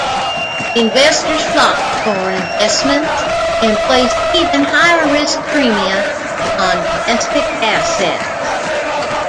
Investors flocked to foreign investments and placed even higher risk premia on domestic assets.